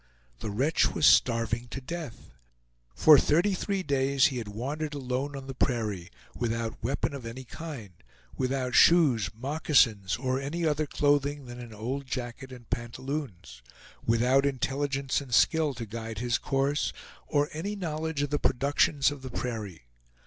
The wretch was starving to death! For thirty three days he had wandered alone on the prairie, without weapon of any kind; without shoes, moccasins, or any other clothing than an old jacket and pantaloons; without intelligence and skill to guide his course, or any knowledge of the productions of the prairie.